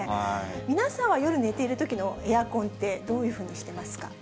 皆さんは夜、寝ているときのエアコンってどういうふうにしてます